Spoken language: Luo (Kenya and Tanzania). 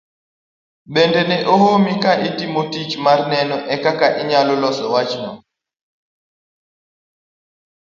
Bende ne omi komitino tich mar neno kaka inyalo los wachno?